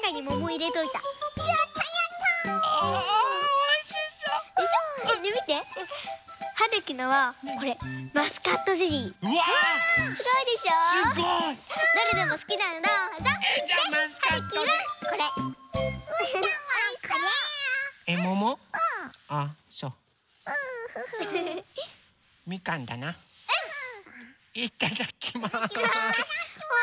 いただきます。